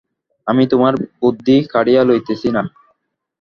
আমি তোমার বুদ্ধি কাড়িয়া লইতেছি না।